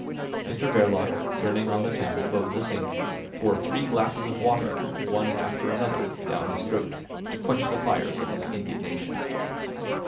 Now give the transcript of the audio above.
Mr Verloc, turning on the tap above the sink, poured three glasses of water, one after another, down his throat to quench the fires of his indignation.